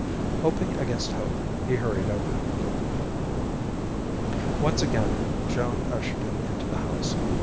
Hoping against hope, he hurried over. Once again, Joan ushered him into the house.